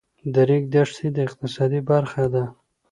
د ریګ دښتې د اقتصاد برخه ده.